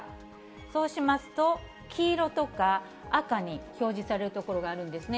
そうしますと、黄色とか、赤に表示されるとこがあるんですね。